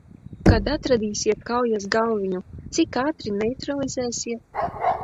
Kad atradīsiet kaujas galviņu, cik ātri neitralizēsiet?